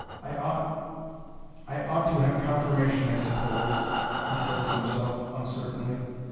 "I ought I ought to have confirmation, I suppose," he said to himself, uncertainly.